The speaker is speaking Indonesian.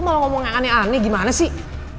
mau ngomong yang aneh aneh gimana sih